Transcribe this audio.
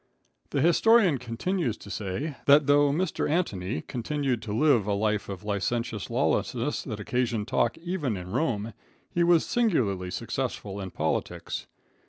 The historian continues to say, that though Mr. Antony continued to live a life of licentious lawlessness, that occasioned talk even in Rome, he was singularly successful in politics.